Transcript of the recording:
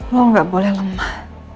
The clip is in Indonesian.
lu gak boleh lemah